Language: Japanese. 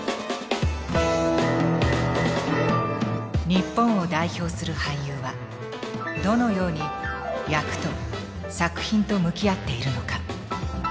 日本を代表する俳優はどのように役と作品と向き合っているのか。